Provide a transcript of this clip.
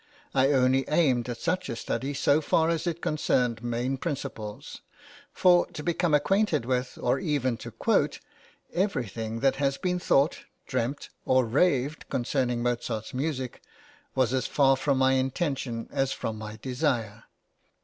I only aimed at such a study so far as it concerned main principles; for to become acquainted with, or even to quote, everything that has been thought, dreamt, or raved concerning Mozart's music was as far from my intention as from my desire.